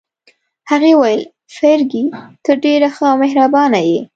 هغې وویل: فرګي، ته ډېره ښه او مهربانه يې.